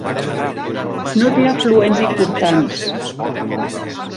No té afluents importants.